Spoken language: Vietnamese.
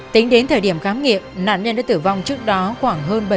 tính đến thời điểm khám nghiệp nạn nhân đã tử vong trước đó khoảng hơn bảy mươi hai giờ